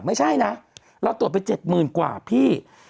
ไม่ใช่นะเราตรวจไป๗๐๐กว่าพี่